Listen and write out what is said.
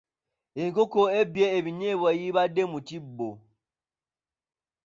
Enkoko ebbye ebinyeebwa ebibadde mu kibbo.